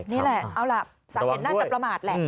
นี่แหละเอาล่ะสาเหตุน่าจะประมาทแหละ